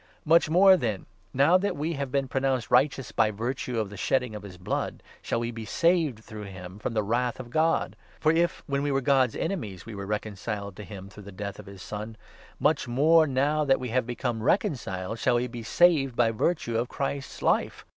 Much more, then, now that we 9 have been pronounced righteous by virtue of the shedding of his blood, shall we be saved through him from the Wrath of God. For if, when we were God's enemies, we were recon 10 ciled to him through the death of his Son, much more, now that we have become reconciled, shall we be saved by virtue of Christ's Life.